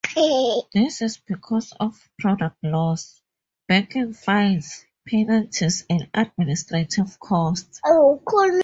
This is because of product-loss, banking fines, penalties and administrative costs.